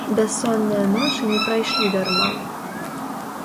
Бяссонныя ночы не прайшлі дарма.